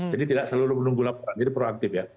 jadi tidak selalu menunggu laporan jadi proaktif ya